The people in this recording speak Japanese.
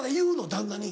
旦那に。